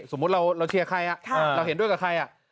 สมมุติเราเชียร์ใครเราเห็นด้วยกับใคร